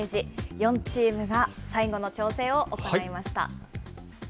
４チームが最後の調整を行いました。